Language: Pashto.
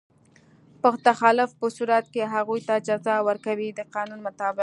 په تخلف په صورت کې هغوی ته جزا ورکوي د قانون مطابق.